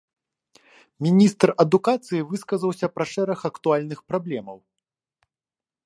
Міністр адукацыі выказаўся пра шэраг актуальных праблемаў.